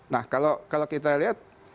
nah kalau kita lihat